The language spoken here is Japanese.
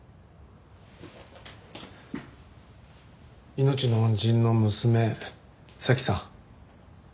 命の恩人の娘早紀さん。